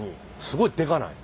すごいデカない？